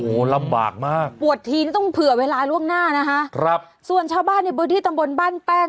โอ้โหลำบากมากปวดทีนี่ต้องเผื่อเวลาล่วงหน้านะคะครับส่วนชาวบ้านในพื้นที่ตำบลบ้านแป้ง